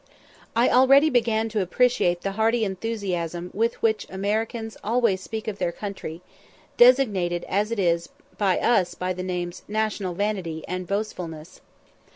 I already began to appreciate the hearty enthusiasm with which Americans always speak of their country, designated as it is by us by the names "National vanity," and "Boastfulness."